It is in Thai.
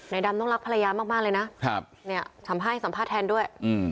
ดำต้องรักภรรยามากเลยนะเนี่ยทำให้สัมภาษณ์แทนด้วย